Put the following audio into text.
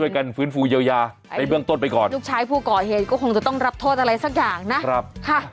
เก็บทิ้งอุ้ยเจ็บเหลือเกินทำใจไม่ได้ค่ะขึ้นสะพานรอยจะโดดฆ่าตัวตายครับ